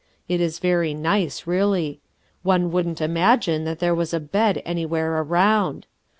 It is very nice, really. One wouldn't imagine that there was a bed any where around.